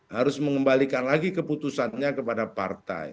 harus mengembalikan lagi keputusannya kepada partai